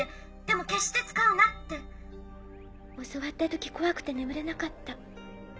でも決して使うなって・教わった時怖くて眠れなかった。